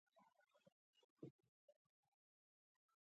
د طبي بوټو صادرات شته.